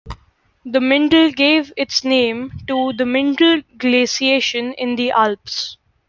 The Mindel gave its name to the Mindel Glaciation in the Alps.